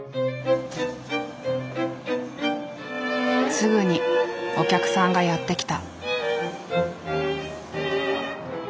すぐにお客さんがやって来た。